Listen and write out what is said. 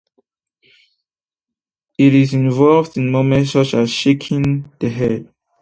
It is involved in movements such as shaking the head.